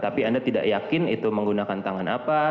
tapi anda tidak yakin itu menggunakan tangan apa